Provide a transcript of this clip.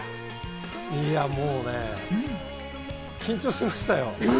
いや、もうね、緊張しましたよ。